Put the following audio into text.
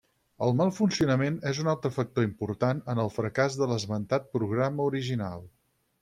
El mal funcionament és un altre factor important en el fracàs de l'esmentat programa original.